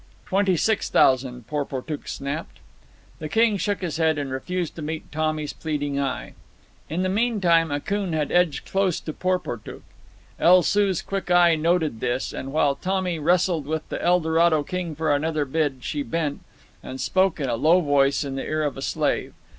"Twenty six thousand," Porportuk snapped. The king shook his head and refused to meet Tommy's pleading eye. In the meantime Akoon had edged close to Porportuk. El Soo's quick eye noted this, and, while Tommy wrestled with the Eldorado king for another bid, she bent, and spoke in a low voice in the ear of a slave.